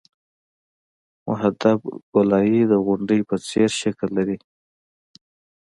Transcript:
محدب ګولایي د غونډۍ په څېر شکل لري